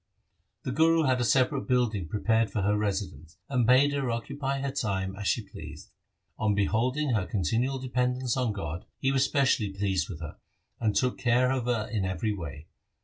The Guru had a separate building prepared for her residence, and bade her occupy her time as she pleased. On beholding her continual dependence on God, he was specially pleased with her, and took care of her in every way.